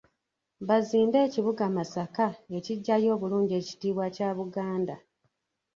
Bazimbe ekibuga Masaka ekiggyayo obulungi ekitiibwa kya Buganda.